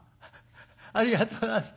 ありがとうございます。